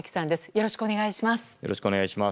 よろしくお願いします。